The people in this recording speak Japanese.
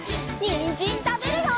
にんじんたべるよ！